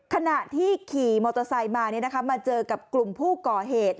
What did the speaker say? ขณะที่ขี่มอเตอร์ไซค์มามาเจอกับกลุ่มผู้ก่อเหตุ